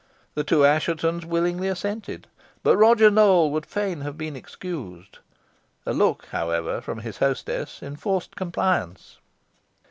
The two Asshetons willingly assented, but Roger Nowell would fain have been excused. A look, however, from his hostess enforced compliance.